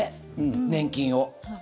年金を。